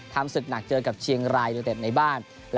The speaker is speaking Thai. ทำศึกหนักเจอกับเชียงรายราชบุรีในบ้าน